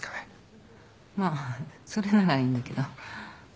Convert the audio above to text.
まあそれならいいんだけど。